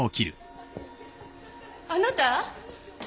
あなた？